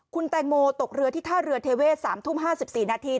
คุณแตงโมตกเรือที่ท่าเรือเทเวศ๓ทุ่ม๕๔นาที